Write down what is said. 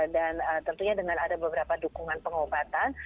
dan tentunya dengan ada beberapa dukungan pengobatan